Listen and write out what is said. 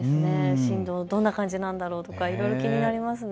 振動、どんな感じなんだろうとかいろいろ気になりますね。